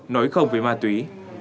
nói không với ma túy